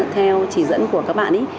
theo chỉ dẫn của các bạn ý